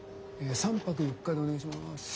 え３泊４日でお願いします。